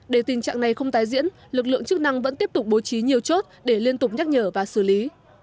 để tình trạng này không tái diễn lực lượng chức năng vẫn tiếp tục bố trí nhiều chốt để liên tục nhắc nhở và xử lý